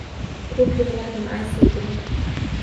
Ko’p yig’ladim ay sevgilim.